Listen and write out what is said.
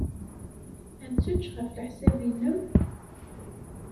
Ad tečč, ɣef leḥsab-nnem?